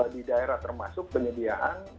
di daerah termasuk penyediaan